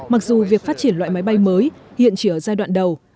mặc dù việc phát triển loại máy bay mới hiện chỉ ở giai đoạn đầu